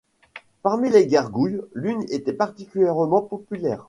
Parmi les gargouilles, l’une était particulièrement populaire.